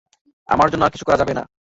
আমার জন্য আর কিছু করা যাবে না।